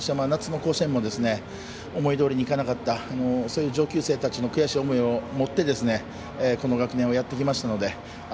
夏の甲子園も思い通りにいかなかったそういう上級生たちの悔しい思いを持ってこの学年をやってきましたので。